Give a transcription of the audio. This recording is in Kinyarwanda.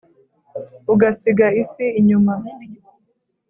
ugasiga isi inyuma